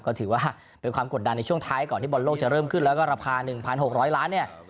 ก็ถือว่าเป็นความกดดันในช่วงท้ายก่อนที่บอลโลกจะเริ่มขึ้นแล้วก็ราคา๑๖๐๐ล้านเนี่ย